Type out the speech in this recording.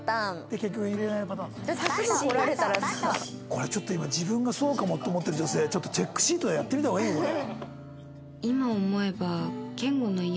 これちょっと今自分がそうかもって思ってる女性ちょっとチェックシートでやってみた方がいいよこれ。